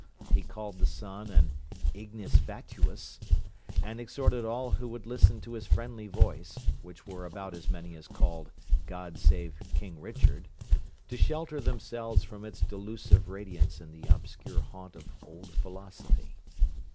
He called the sun an ignis fatuus; and exhorted all who would listen to his friendly voice, which were about as many as called 'God save King Richard,' to shelter themselves from its delusive radiance in the obscure haunt of Old Philosophy.